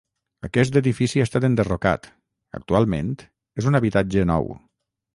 Aquest edifici ha estat enderrocat, actualment és un habitatge nou.